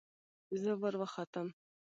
زه وروختم.